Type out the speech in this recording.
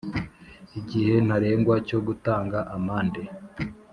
Igihe ntarengwa cyo gutanga amande